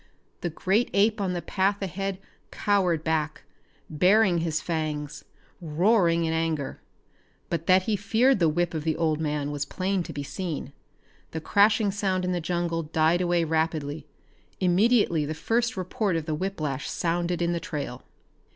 The great ape on the path ahead cowered back, bearing his fangs, roaring in anger. But that he feared the whip of the old man was plain to be seen. The crashing sound in the jungle died away rapidly, immediately the first report of the whip lash sounded in the trail.